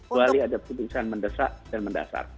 di luar rumah ada keputusan mendesak dan mendasar